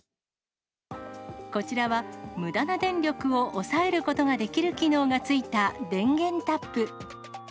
こちらは、むだな電力を抑えることができる機能がついた電源タップ。